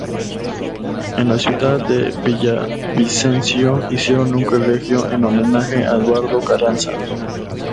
En la ciudad de Villavicencio hicieron un colegio en homenaje a Eduardo Carranza.